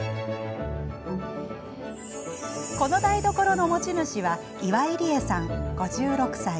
この台所の持ち主は岩井利恵さん、５６歳。